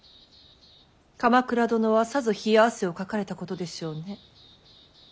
鎌倉殿はさぞ冷や汗をかかれたことでしょうね。